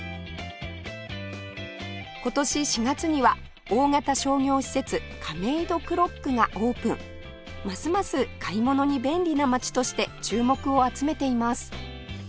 今年４月には大型商業施設カメイドクロックがオープンますます買い物に便利な街として注目を集めています